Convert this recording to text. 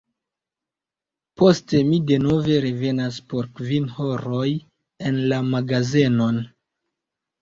Poste mi denove revenas por kvin horoj en la magazenon.